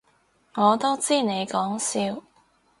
我都知你講笑